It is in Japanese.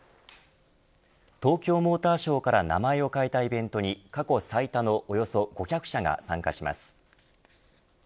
東京モーターショーから名前を変えたイベントに過去最多のおよそ５００社が参加します。